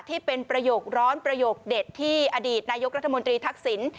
ประโยคร้อนประโยคเด็ดที่อดีตนายกรัฐมนตรีทักษิณ